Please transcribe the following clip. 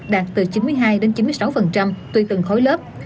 đạt từ chín mươi hai đến chín mươi sáu tùy từng khối lớp